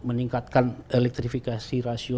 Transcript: meningkatkan elektrifikasi rasio